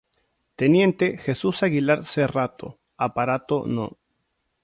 Teniente Jesús Aguilar Cerrato, aparato No.